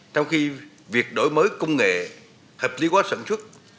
trong khi việc đổi mới công nghệ hợp lý quá sản xuất